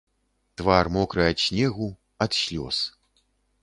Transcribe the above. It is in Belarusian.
Твар мокры ад снегу, ад слёз.